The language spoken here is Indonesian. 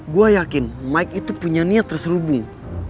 gue yakin mike itu punya niat terselubung